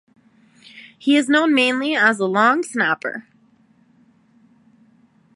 He is known mainly as a long snapper.